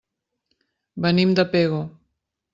Venim de Pego.